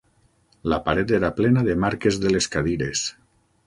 La paret era plena de marques de les cadires.